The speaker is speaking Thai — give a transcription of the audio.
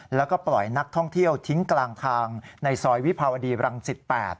แล้วก็ปล่อยนักท่องเที่ยวทิ้งกลางทางในซอยวิภาวดีรังสิต๘